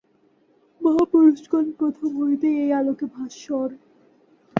মহাপুরুষগণ প্রথম হইতেই এই আলোকে ভাস্বর।